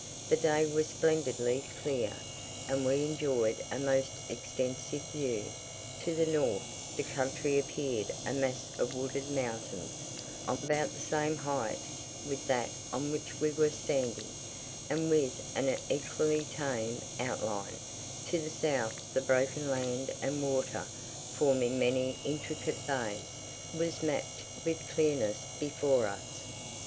The day was splendidly clear, and we enjoyed a most extensive view; to the north, the country appeared a mass of wooded mountains, of about the same height with that on which we were standing, and with an equally tame outline: to the south the broken land and water, forming many intricate bays, was mapped with clearness before us.